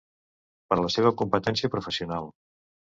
Per la seva competència professional.